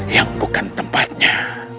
yang bukan tempatnya